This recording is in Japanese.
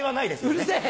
うるせぇ！